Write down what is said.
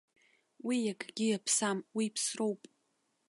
Уи акгьы иаԥсам, уи ԥсроуп!